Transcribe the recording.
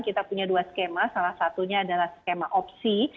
kita punya dua skema salah satunya adalah skema opsi